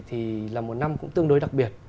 thì là một năm cũng tương đối đặc biệt